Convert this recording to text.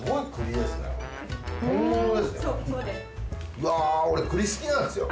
うわぁ俺栗好きなんですよ。